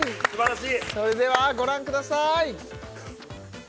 それではご覧ください